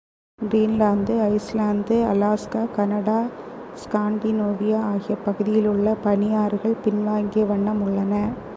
Greenland, Iceland, Alaska, Canada, Scandinavia ஆகிய பகுதிகளிலுள்ள பனியாறுகள் பின் வாங்கிய வண்ணம் உள்ளன.